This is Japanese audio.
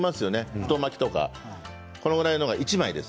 太巻きとか作る、それぐらいのが１枚です。